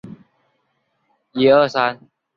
贝勒维涅。